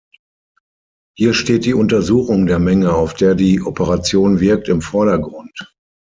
Hier steht die Untersuchung der Menge, auf der die Operation wirkt, im Vordergrund.